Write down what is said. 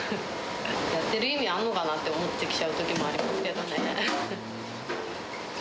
やってる意味あるのかなって思ってきちゃうときもありますけどね。